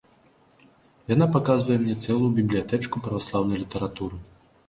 Яна паказвае мне цэлую бібліятэчку праваслаўнай літаратуры.